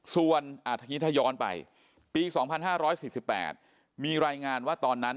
ส่วนทีนี้ถ้าย้อนไปปี๒๕๔๘มีรายงานว่าตอนนั้น